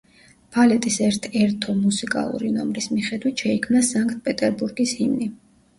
ბალეტის ერთ-ერთო მუსიკალური ნომრის მიხედვით შეიქმნა სანქტ-პეტერბურგის ჰიმნი.